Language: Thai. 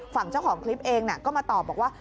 ฝั่งเจ้าของคลิปเองก็มาตอบบอกว่า